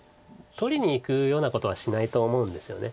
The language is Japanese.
取りにいくようなことはしないと思うんですよね。